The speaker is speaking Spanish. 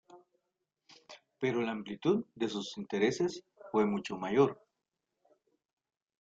Pero la amplitud de sus intereses fue mucho mayor.